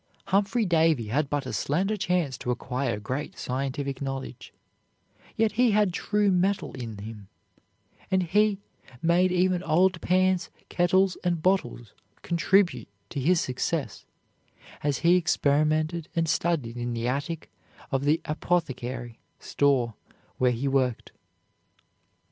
Humphrey Davy had but a slender chance to acquire great scientific knowledge, yet he had true mettle in him, and he made even old pans, kettles, and bottles contribute to his success, as he experimented and studied in the attic of the apothecary store where he worked.